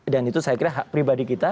dan itu saya kira hak pribadi kita